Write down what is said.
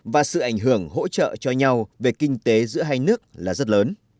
và sự ảnh hưởng hỗ trợ cho nhau về kinh tế giữa hai nước là rất lớn